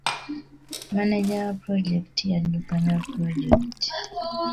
Maneja wa pulojekiti y'addukanya pulojekiti.